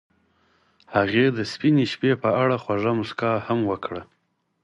هغې د سپین شپه په اړه خوږه موسکا هم وکړه.